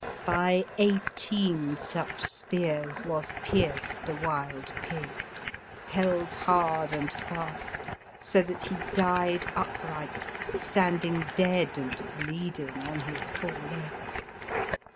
By eighteen such spears was pierced the wild pig, held hard and fast, so that he died upright standing dead and bleeding on his four legs.